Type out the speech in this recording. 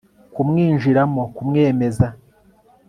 kumwinjiramo, kumwemeza